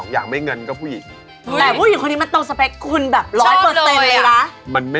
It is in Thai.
เขาหนักแน่นคำตอบนี้